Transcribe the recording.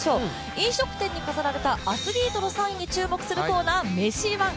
飲食店に飾られたアスリートのサインに注目するコーナー、「めし☆ワン」。